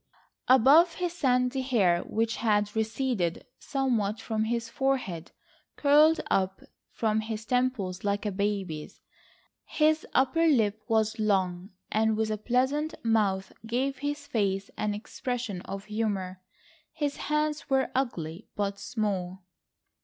Above, his sandy hair, which had receded somewhat from his forehead, curled up from his temples like a baby's. His upper lip was long and with a pleasant mouth gave his face an expression of humour. His hands were ugly, but small.